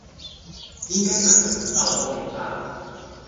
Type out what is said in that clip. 應該哪個頻道都沒差